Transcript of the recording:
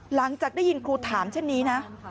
หลังจากได้ยินครูถามเช่นนี้นะ